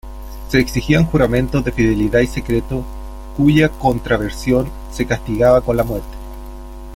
Se exigían juramentos de fidelidad y secreto, cuya contravención se castigaba con la muerte.